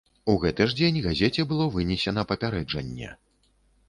У гэты ж дзень газеце было вынесена папярэджанне.